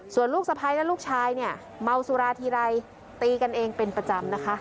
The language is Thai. ส่วนลูกสะพ้ายและลูกชายเนี่ยเมาสุราทีไรตีกันเองเป็นประจำนะคะ